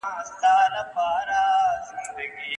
زه هم د بهار د مرغکیو ځالګۍ ومه